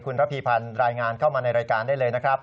คุณระพีพันธ์รายงานเข้ามาในรายการได้เลยนะครับ